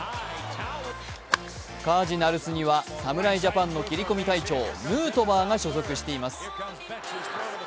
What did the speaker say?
カージナルスには侍ジャパンの切り込み隊長、ヌートバーが所属しています。